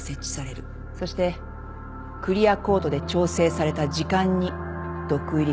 そしてクリアコートで調整された時間に毒入り